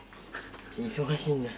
⁉忙しいんだよ。